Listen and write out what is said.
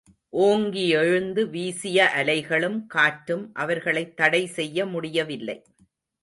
ஓங்கியெழுந்து வீசிய அலைகளும், காற்றும், அவர்களைத் தடை செய்ய முடியவில்லை.